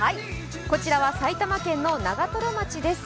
こちらは埼玉県の長瀞町です。